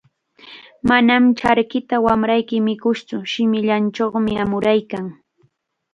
"Manam charkita wamrayki mikuntsu, shimillanchawmi amuraykan."